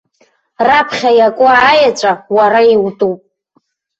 Раԥхьа иакуа аеҵәа уара иутәуп.